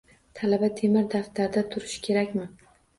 Talaba temir daftarda turishi kerakmi?